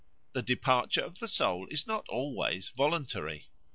The departure of the soul is not always voluntary.